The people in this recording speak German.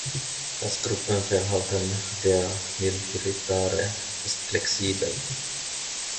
Das Gruppenverhalten der Nilgiri-Tahre ist flexibel.